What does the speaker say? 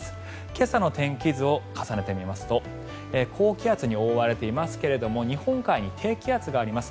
今朝の天気図を重ねてみますと高気圧に覆われていますけども日本海に低気圧があります。